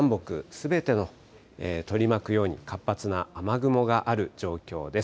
すべての取り巻くように活発な雨雲がある状況です。